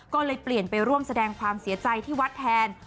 ก็เลยเปลี่ยนไปร่วมแสดงความเสียใจที่วัดแทน